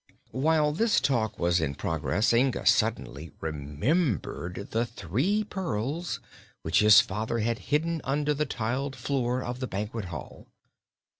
While this talk was in progress Inga suddenly remembered the three pearls which his father had hidden under the tiled floor of the banquet hall.